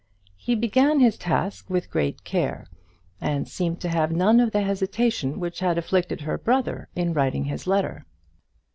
He began his task with great care, and seemed to have none of the hesitation which had afflicted her brother in writing his letter.